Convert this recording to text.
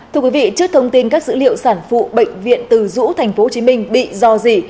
thưa quý vị trước thông tin các dữ liệu sản phụ bệnh viện từ dũ tp hcm bị dò dỉ